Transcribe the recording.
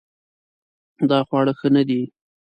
دا خواړه ښه نه دي